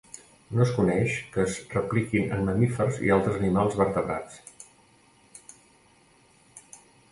No es coneix que es repliquin en mamífers i altres animals vertebrats.